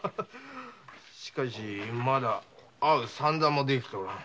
しかしまだ会う算段もできておらん。